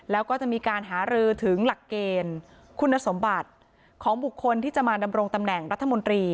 แล้วก็จะมีการหารือถึงหลักเกณฑ์คุณสมบัติของบุคคลที่จะมาดำรงตำแหน่งรัฐมนตรี